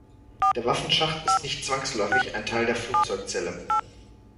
Der Waffenschacht ist nicht zwangsläufig ein Teil der Flugzeugzelle.